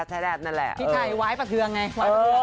พี่ไทยไว้ประเทืองไง